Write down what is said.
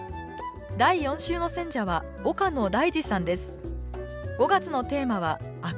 第４週の選者は岡野大嗣さんです